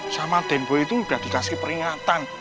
sama demboy itu udah dikasih peringatan